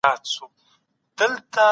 دا د ښوونځيو خور